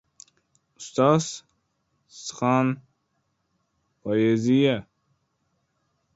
— Ustoz... sichqon... poeziya...